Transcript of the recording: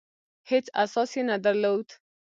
هېڅ اساس یې نه درلود.